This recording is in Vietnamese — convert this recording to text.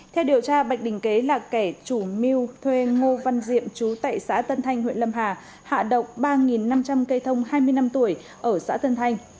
theo điều tra bạch đình kế là kẻ chủ mưu thuê ngô văn diệm trú tại xã tân thanh huyện lâm hà hạ động ba năm trăm linh cây thông hai mươi năm tuổi ở xã tân thanh